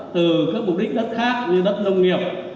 từ các mục đích đất khác như đất nông nghiệp